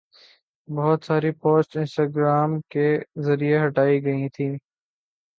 بہت ساری post Instagram کے ذریعہ ہٹائی گئی تھی